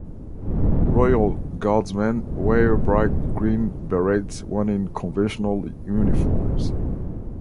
Royal Guardsmen wear bright green berets when in conventional uniforms.